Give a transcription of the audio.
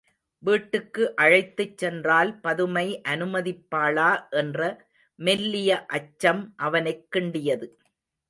வீட்டுக்கு அழைத்துச் சென்றால் பதுமை அனுமதிப்பாளா என்ற மெல்லிய அச்சம் அவனைக் கிண்டியது.